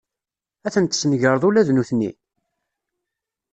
Ad ten-tesnegreḍ ula d nutni?